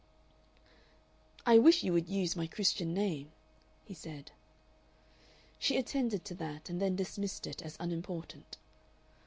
"I wish you would use my Christian name," he said. She attended to that, and then dismissed it as unimportant.